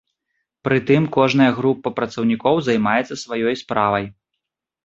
Прытым кожная група працаўнікоў займаецца сваёй справай.